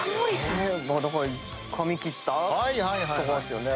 だから「髪切った？」とかですよね。